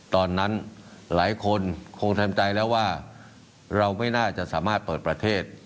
ตอนนั้นหลายคนคงทำใจแล้วว่าเราไม่น่าจะสามารถเปิดประเทศ